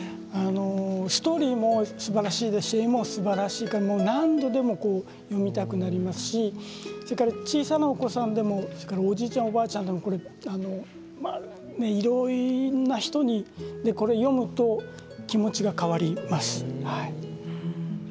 ストーリーもすばらしいですし絵もすばらしいですけれど何度も読みたくなりますし小さなお子さんでもおじいちゃん、おばあちゃんでもいろんな人に、これを読むと気持ちが変わります。